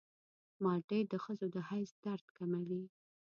مالټې د ښځو د حیض درد کموي.